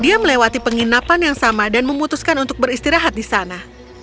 dia melewati penginapan yang sama dan memutuskan untuk beristirahat di sana